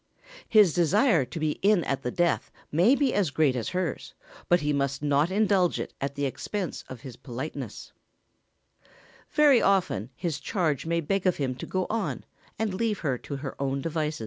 His desire to be in at the death may be as great as hers, but he must not indulge it at the expense of his politeness. [Sidenote: A man's duty to his charge.] Very often his charge may beg of him to go on and leave her to her own devices.